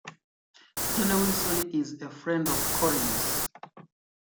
Johnny Wilson is a friend of Cory's.